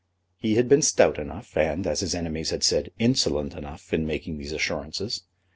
He had been stout enough, and, as his enemies had said, insolent enough, in making these assurances.